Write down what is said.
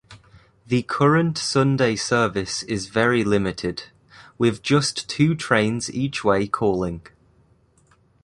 The current Sunday service is very limited, with just two trains each way calling.